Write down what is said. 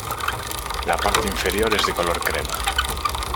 La parte inferior es de color crema.